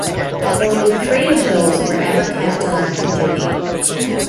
Only three of those were ever kept on active duty.